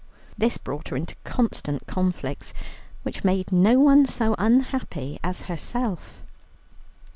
This brought her into constant conflicts, which made no one so unhappy as herself.